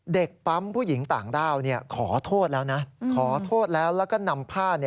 เด็กปั๊มผู้หญิงต่างดาวเนี่ยขอโทษแล้วนะ